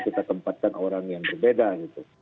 kita tempatkan orang yang berbeda gitu